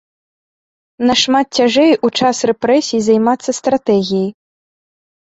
Нашмат цяжэй у час рэпрэсій займацца стратэгіяй.